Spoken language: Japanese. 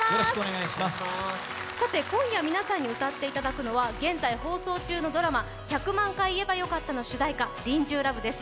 さて、今夜、皆さんに歌っていただくのは、現在放送中のドラマ「１００万回言えばよかった」の主題歌「リンジュー・ラヴ」です。